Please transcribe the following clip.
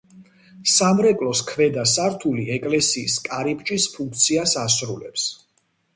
სამრეკლოს ქვედა სართული ეკლესიის კარიბჭის ფუნქციას ასრულებს.